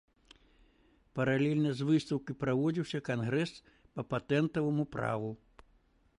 Паралельна з выстаўкай праводзіўся кангрэс па патэнтаваму праву.